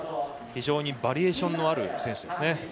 非常にバリエーションのある選手。